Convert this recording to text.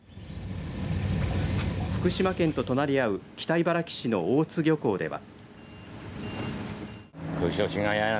福島県と隣り合う北茨城市の大津漁港では。